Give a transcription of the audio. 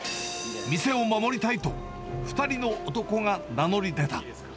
店を守りたいと、２人の男が名乗り出た。